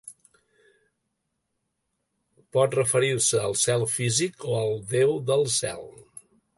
Pot referir-se al cel físic o al Déu del cel.